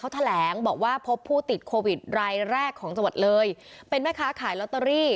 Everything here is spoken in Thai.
แถลงบอกว่าพบผู้ติดโควิดรายแรกของจังหวัดเลยเป็นแม่ค้าขายลอตเตอรี่